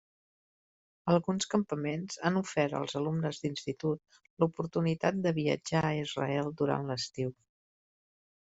Alguns campaments han ofert als alumnes d'institut, l'oportunitat de viatjar a Israel durant l'estiu.